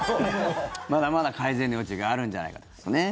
まだまだ改善の余地があるんじゃないかと。